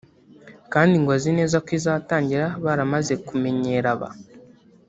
kandi ngo azi neza ko izatangira baramaze kumenyeraba